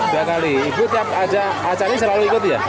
dua kali ibu tiap acar ini selalu ikut ya